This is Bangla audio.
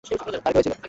কার কী হয়েছিল?